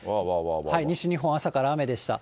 西日本、朝から雨でした。